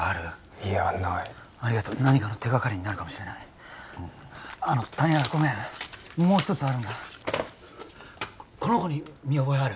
いやないありがとう何かの手がかりになるかもしれないあの谷原ごめんもう一つあるんだこの子に見覚えある？